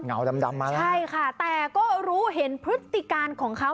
เงาดำมาแล้วใช่ค่ะแต่ก็รู้เห็นพฤติการของเขา